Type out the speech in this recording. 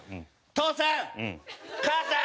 父さん！